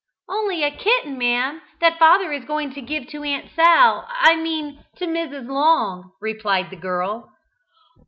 "Only a kitten, ma'am, that father is going to give to Aunt Sal I mean to Mrs. Long," replied the girl.